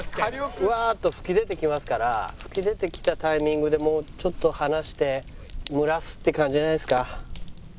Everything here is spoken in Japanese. ブワーッと噴き出てきますから噴き出てきたタイミングでもうちょっと離して蒸らすって感じじゃないですか。